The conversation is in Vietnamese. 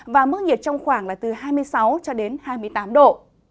và mức nhiệt trong khoảng là từ hai mươi sáu hai mươi tám độ